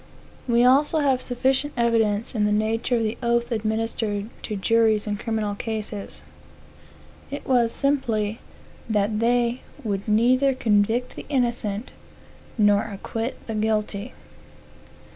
We also have sufficient evidence of the nature of the oath administered to jurors in criminal cases. It was simply, that they would neither convict the innocent, nor acquit the guilty.